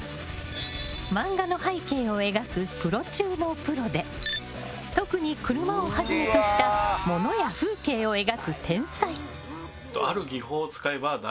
漫画の背景を描くプロ中のプロで特に、車をはじめとした物や風景を描く天才。